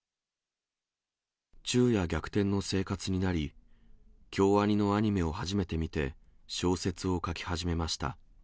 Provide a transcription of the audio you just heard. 昼夜逆転の生活になり、京アニのアニメを初めて見て、小説を書き始めました。